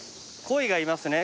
コイがいますね